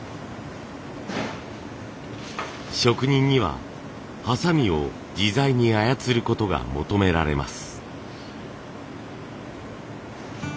職人にはハサミを自在に操ることが求められます。